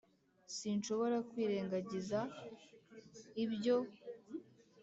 sinshobora kwirengagiza ibyo.